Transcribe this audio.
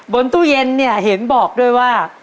บนตู้เย็นเนี่ยเห็นบอกด้วยว่า